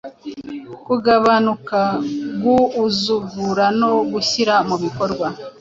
Kugabanuka guuzugura, no guhyira mubikorwa